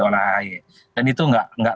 oleh ahy dan itu nggak